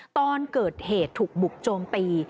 ตอนเกิดเหตุถูกบุกโจมตี